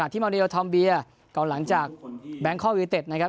ที่เมาเนโนโทมบีลก่อนหลังจากแบงค์ข้อวิเต็ดนะครับ